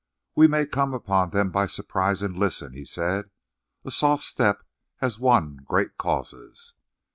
"We may come on them by surprise and listen," he said. "A soft step has won great causes."